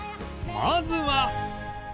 まずは